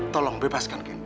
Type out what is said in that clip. tolong bebaskan candy